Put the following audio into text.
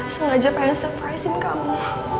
sengaja pengen surprise in kamu